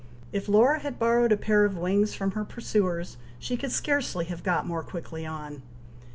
If Laura had borrowed a pair of wings from her pursuers, she could scarcely have got more quickly on.